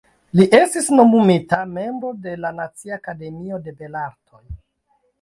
Li estis nomumita membro de la Nacia Akademio de Belartoj.